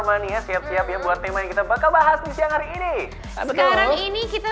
mania siap siap ya buat tema yang kita bakal bahas di siang hari ini sekarang ini kita